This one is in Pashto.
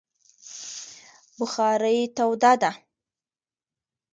بخارۍ توده ده